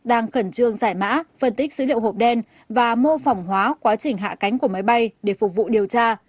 đang khẩn trương giải mã phân tích dữ liệu hộp đen và mô phỏng hóa quá trình hạ cánh của máy bay để phục vụ điều tra